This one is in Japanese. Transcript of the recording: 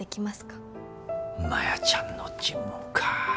マヤちゃんの尋問か。